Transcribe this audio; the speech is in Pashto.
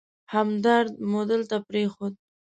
همدرد مو دلته پرېښود.